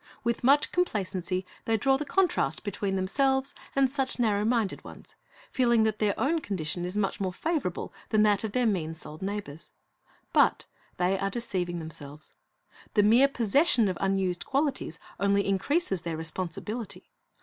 With much complacency they draw the contrast between themselves and such narrow minded ones, feeling that their own condition is much more favorable than that of their mean souled neighbors. But they are deceiving themselves. The mere possession of unused qualities only increases their responsibility.